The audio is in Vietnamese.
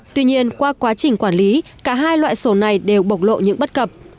tuy nhiên qua quá trình quản lý cả hai loại sổ này đều bộc lộ những bất cập